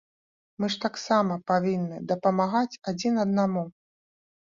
Мы ж таксама павінны дапамагаць адзін аднаму.